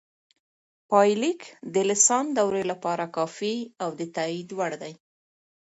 پایلیک د لیسانس دورې لپاره کافي او د تائید وړ دی